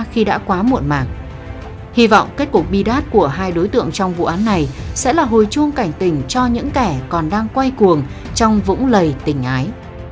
hi vọng kết cục bi đát của hai đối tượng trong vụ án này sẽ là hồi chuông cảnh tình cho những kẻ còn đang quay cuồng trong vũng lầy tình ái